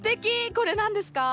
これ何ですか？